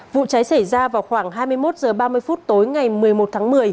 vụ cháy xảy ra vào khoảng hai mươi một h ba mươi phút tối ngày một mươi một tháng một mươi